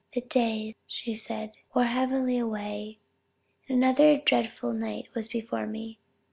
"The day," she says, "wore heavily away, and another dreadful night was before me.